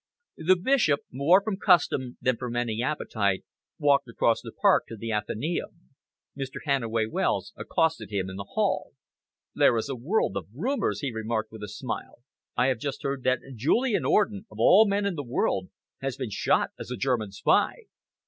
The Bishop, more from custom than from any appetite, walked across the Park to the Athenaeum. Mr. Hannaway Wells accosted him in the hall. "This is a world of rumours," he remarked with a smile. "I have just heard that Julian Orden, of all men in the world, has been shot as a German spy."